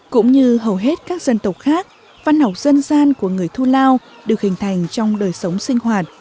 cũng như hầu hết các dân tộc khác văn học dân gian của người thu lao được hình thành trong đời sống sinh hoạt